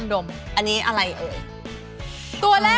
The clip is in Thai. ผลิตจากอร์แกนิกและน้ำมะพร้าวบริสุทธิ์